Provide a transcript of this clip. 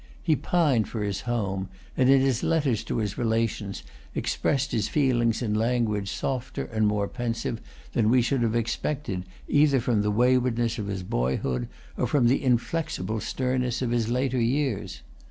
He pined for his home, and in his letters to his relations expressed his feelings in language softer and more pensive than we should have expected either from the waywardness of his boyhood, or from the inflexible sternness of his later years.